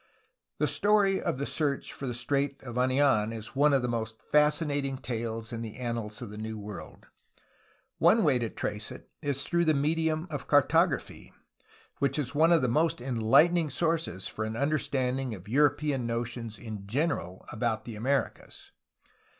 The story of the search for the Strait of Anid,n is one of the most fascinating tales in the annals of the New World. One way to trace it is through the medium of cartography, which is also one of the most enlightening sources for an un derstanding of European notions in general about the Americas.